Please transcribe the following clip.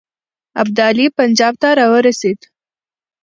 ابدالي پنجاب ته را ورسېد.